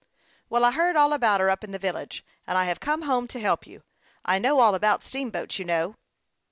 " Well, I heard all about her up in the village, and I have come home to help you. I know all about steamboats, you know."